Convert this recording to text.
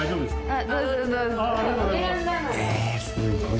はい。